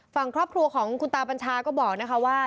ฝั่งครอบครัวของคุณตาบัญชาก็บอกนะคะว่า